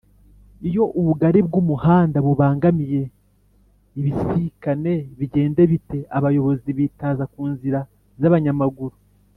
iyo ubugari bw’umuhanda bubangamiye ibisikane bigenda bite?abayobozi bitaza kunzira zabanyamaguru